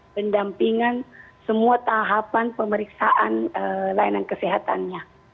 pendampingan semua tahapan pemeriksaan layanan kesehatannya